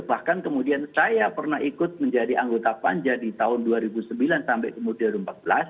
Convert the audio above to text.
bahkan kemudian saya pernah ikut menjadi anggota panja di tahun dua ribu sembilan sampai kemudian dua ribu empat belas